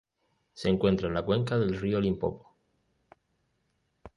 Se encuentra en la cuenca del río Limpopo.